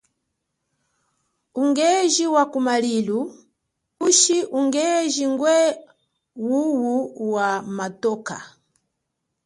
Ungeji wa kumalilu ushi ungeji ngwe wuwu wa motoka.